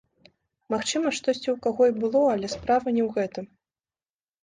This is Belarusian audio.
Магчыма, штосьці ў каго і было, але справа не ў гэтым.